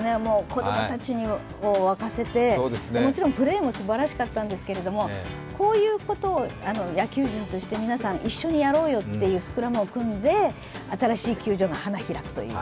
子供たちを沸かせて、もちろんプレーもすばらしかったんですけど、こういうことを野球人として皆さん一緒にやろうよというスクラムを組んで新しい球場が花開くという。